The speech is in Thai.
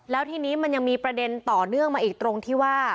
แล้วทีนี้มันยังมีประเด็นต่อเนื่องมาอีกตรงที่ว่า